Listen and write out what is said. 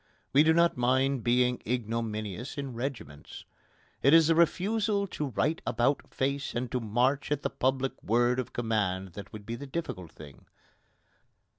We do not mind being ignominious in regiments. It is the refusal to right about face and to march at the public word of command that would be the difficult thing.